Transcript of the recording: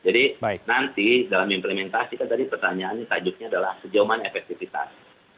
jadi nanti dalam implementasikan tadi pertanyaannya tajuknya adalah sejauh efektivitas